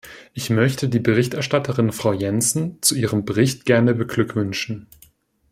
Ich möchte die Berichterstatterin Frau Jensen zu ihrem Bericht gerne beglückwünschen.